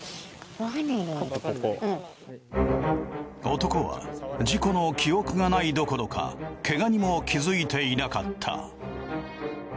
男は事故の記憶がないどころかケガにも気づいていなかった。